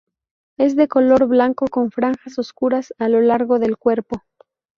Es de color blanco, con franjas oscuras a lo largo del cuerpo.